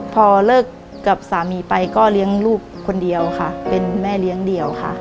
พอเลิกกับสามีไปก็เลี้ยงลูกคนเดียวค่ะเป็นแม่เลี้ยงเดี่ยวค่ะ